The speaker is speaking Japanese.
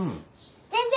全然！